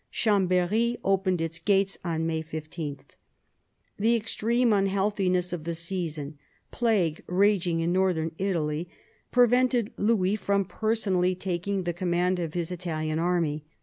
Chambery opened its gates on May 15. The extreme unhealthiness of the season — plague rag ing in Northern Italy — prevented Louis from personally taking the command of his Italian army.